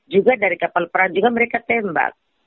juga dari kapal perang juga mereka tembak